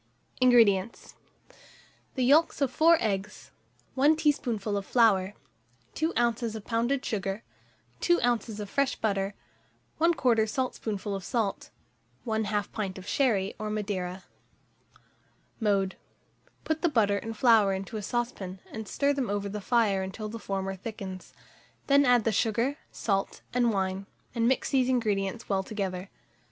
INGREDIENTS. The yolks of 4 eggs, 1 teaspoonful of flour, 2 oz. of pounded sugar, 2 oz. of fresh butter, 1/4 saltspoonful of salt, 1/2 pint of sherry or Madeira. Mode. Put the butter and flour into a saucepan, and stir them over the fire until the former thickens; then add the sugar, salt, and wine, and mix these ingredients well together.